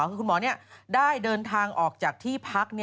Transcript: คือคุณหมอได้เดินทางออกจากที่พัก